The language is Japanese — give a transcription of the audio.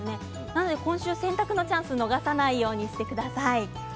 なので今週洗濯のチャンスを逃さないようにしてください。